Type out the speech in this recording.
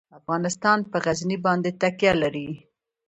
افغانستان په غزني باندې تکیه لري.